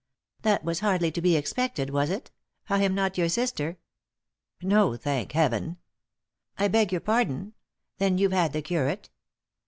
"That was hardly to be expected, was it? I am not your sister." " No — thank heaven." " I beg your pardon? Then you've had the curate."